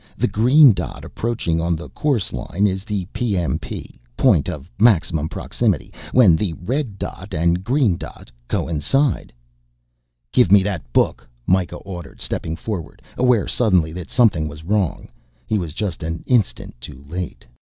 The green dot approaching on the course line is the PMP. Point of Maximum Proximity. When the red dot and green dot coincide...." "Give me that book," Mikah ordered, stepping forward. Aware suddenly that something was wrong. He was just an instant too late.